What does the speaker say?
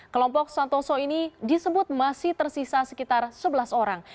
kelompok santoso ini disebut masih tersisa sekitar sebelas orang